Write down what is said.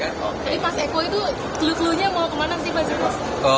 jadi pas eko itu telunya mau kemana sih pak ziko